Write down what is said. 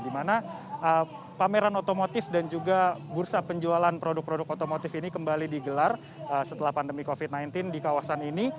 di mana pameran otomotif dan juga bursa penjualan produk produk otomotif ini kembali digelar setelah pandemi covid sembilan belas di kawasan ini